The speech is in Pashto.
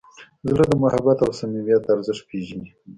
زړه د محبت او صمیمیت ارزښت پېژني.